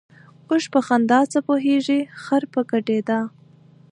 ـ اوښ په خندا څه پوهېږي ، خر په ګډېدا.